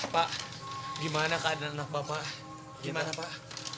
pak gimana keadaan anak bapak gimana pak